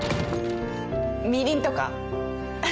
みりんとか？